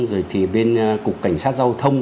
rồi thì bên cục cảnh sát giao thông